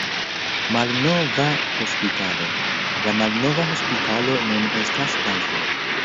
Malnova hospitalo: La malnova hospitalo nun estas banko.